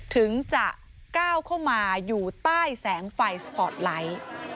ถึงจะก้าวเข้ามาอยู่ใต้แสงไฟสปอร์ตไลท์